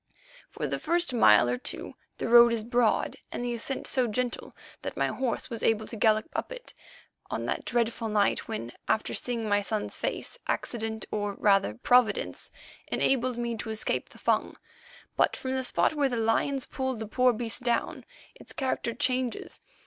For the first mile or two the road is broad and the ascent so gentle that my horse was able to gallop up it on that dreadful night when, after seeing my son's face, accident, or rather Providence, enabled me to escape the Fung. But from the spot where the lions pulled the poor beast down, its character changes.